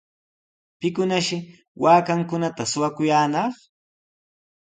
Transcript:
¿Pikunashi waakankunata shuwakuyaanaq?